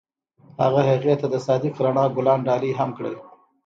هغه هغې ته د صادق رڼا ګلان ډالۍ هم کړل.